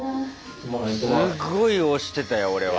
すごい押してたよ俺は。